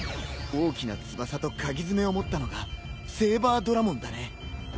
大きな翼とかぎ爪を持ったのがセーバードラモンだね。